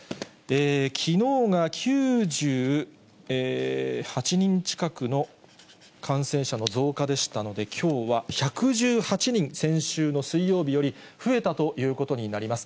きのうが９８人近くの、感染者の増加でしたので、きょうは１１８人、先週の水曜日より増えたということになります。